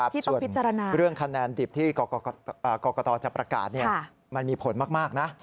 พิจารณาเรื่องคะแนนดิบที่กรกตจะประกาศมันมีผลมากนะ